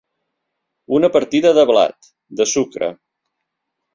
Una partida de blat, de sucre.